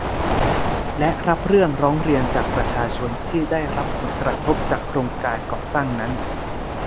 และรับเรื่องร้องเรียนจากประชาชนที่ได้รับผลกระทบจากโครงการก่อสร้างนั้น